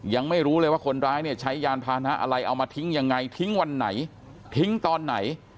ยังไม่รู้เลยว่าคนร้ายเนี่ยใช้ยานพานะอะไรเอามาทิ้งยังไงทิ้งวันไหนทิ้งตอนไหน